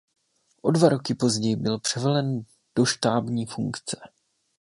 O dva roky později byl převelen do štábní funkce.